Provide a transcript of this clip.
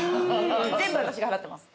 全部私が払ってます。